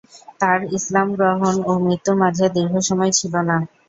তার ইসলাম গ্রহণ ও মৃত্যুর মাঝে দীর্ঘ সময় ছিল না।